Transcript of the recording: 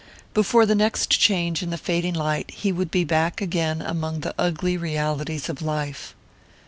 Before the next change in the fading light he would be back again among the ugly realities of life.